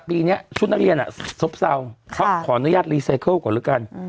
ปีเนี้ยชุดนักเรียนน่ะซบเซาค่ะขออนุญาตก่อนแล้วกันอืม